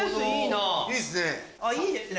いいですね。